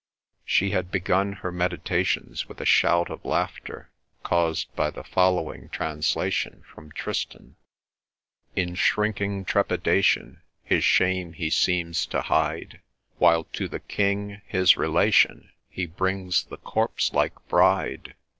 She had begun her meditations with a shout of laughter, caused by the following translation from Tristan: In shrinking trepidation His shame he seems to hide While to the king his relation He brings the corpse like Bride.